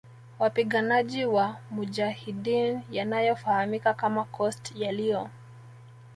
wapiganaji wa mujahideen yanayo fahamika kama Khost yaliyo